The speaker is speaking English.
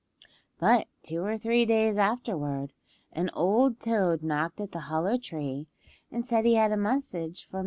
But two or three days afterward an old toad knocked at the hollow tree and said he had a message for Mrs. Duck.